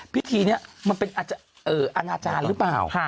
พิธีเนี่ยมันเป็นอาจารย์หรือเปล่า